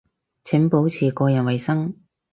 請保持個人衛生